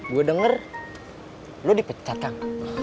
gue denger lo dipecat kang